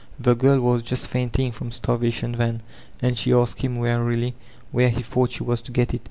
The girl was just fainting from stanra tion then, and she asked him wearily where he th o u g ht she was to get it.